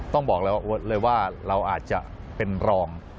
ต้องบอกแล้วเลยว่าเราอาจจะเป็นรอง